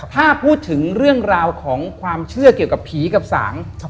ถ้าพูดถึงเรื่องราวของความเชื่อเกี่ยวกับผีกับสาง